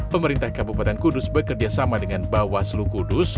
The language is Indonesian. pemerintah kabupaten kudus bekerjasama dengan bawaslu kudus